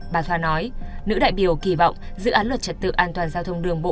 bà thoa nói nữ đại biểu kỳ vọng dự án luật trật tự an toàn giao thông đường bộ